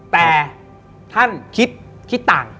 แต่ท่านคิดคิดต่าง